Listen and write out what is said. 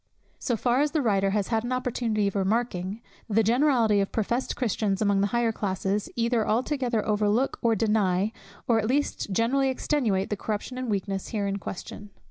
So far as the writer has had an opportunity of remarking, the generality of professed Christians among the higher classes, either altogether overlook or deny, or at least greatly extenuate the corruption and weakness here in question.